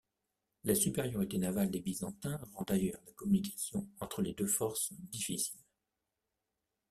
La supériorité navale des Byzantins rend d'ailleurs la communication entre les deux forces difficile.